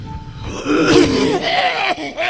Vous le voyez!